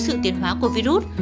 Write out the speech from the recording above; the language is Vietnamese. sự tiến hóa của virus